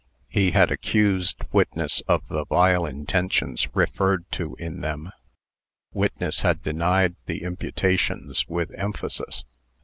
He had accused witness of the vile intentions referred to in them. Witness had denied the imputations with emphasis.